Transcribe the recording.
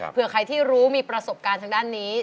เพื่อใครที่รู้มีประสบการณ์ทางด้านนี้